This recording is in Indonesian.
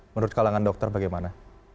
menurut kalangan dokter bagaimana